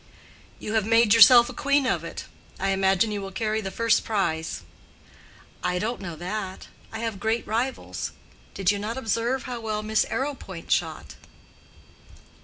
"You have made yourself queen of it. I imagine you will carry the first prize." "I don't know that. I have great rivals. Did you not observe how well Miss Arrowpoint shot?"